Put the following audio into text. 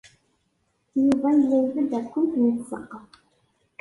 Yuba yella ybedd ṛeknet n tzeqqa.